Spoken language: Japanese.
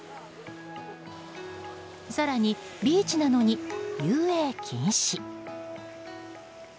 更にビーチなのに遊泳禁止。